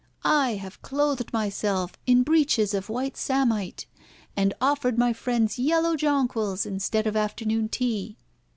I have clothed myself in breeches of white samite, and offered my friends yellow jonquils instead of afternoon tea.